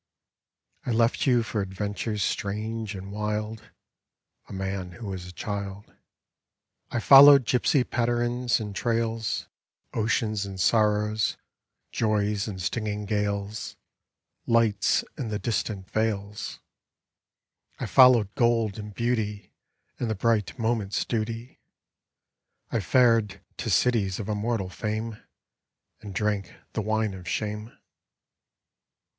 I left you for adventures strange and wild, (A man who was a child) ; I followed gypsy patterans and trails, Oceans and sorrows, joys and stinging gales. Lights in the distant vales ; I followed gold and beauty. And the bright moment's duty; I fared to cities of immortal fame, And drank the wine of shame.